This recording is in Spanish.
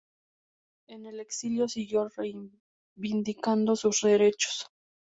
En el exilio siguió reivindicando sus derechos.